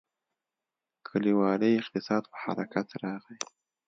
کلیوالي اقتصاد په حرکت راغی.